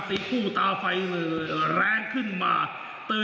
พี่อธิบาลดิ์